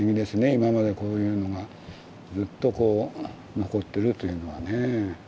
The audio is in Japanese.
今までこういうのがずっとこう残ってるというのはねぇ。